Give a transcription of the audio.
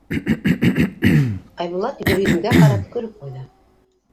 — Айбулат Гөлйөҙөмгә ҡарап көлөп ҡуйҙы.